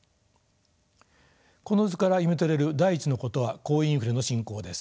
この図から読み取れる第１のことは高インフレの進行です。